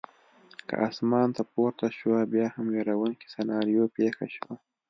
کې اسمان ته پورته شوه، بیا هم وېروونکې سناریو پېښه شوه.